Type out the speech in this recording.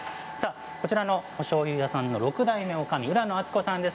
こちらのおしょうゆ屋さんの６代目おかみ、浦野敦子さんです。